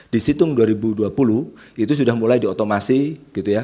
di situng dua ribu dua puluh itu sudah mulai diotomasi gitu ya